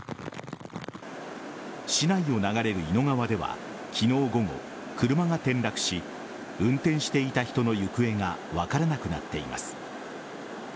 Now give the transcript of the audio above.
市内を流れる伊野川では昨日午後車が転落し運転していた人の行方が分からなくなっています。